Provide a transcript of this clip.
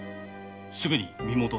すぐに身元を。